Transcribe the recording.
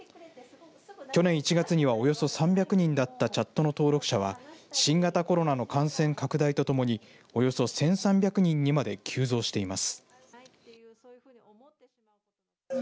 去年１月には、およそ３００人だったチャットの登録者は新型コロナの感染拡大とともにおよそ１３００人にまで急増しています。